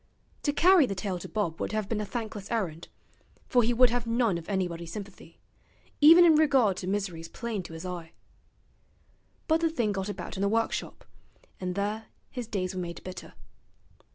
To carry the tale to Bob would have been a thankless errand, for he would have none of anybody's sympathy, even in regard to miseries plain to his eye. But the thing got about in the workshop, and there his days were made bitter.